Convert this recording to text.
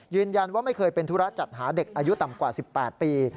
ไม่เคยเป็นธุระจัดหาเด็กอายุต่ำกว่า๑๘ปี